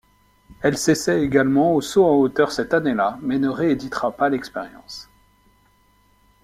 Elle s'essaie également au saut en hauteur cette année-là mais ne rééditera pas l'expérience.